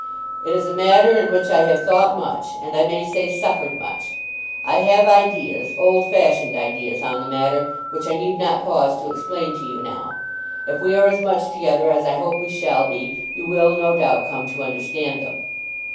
It is a matter in which I have thought much, and, I may say, suffered much. I have ideas, old fashioned ideas, on the matter, which I need not pause to explain to you now. If we are as much together as I hope we shall be, you will, no doubt, come to understand them.